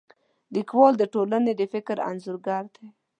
لیکوال د ټولنې د فکر انځورګر دی.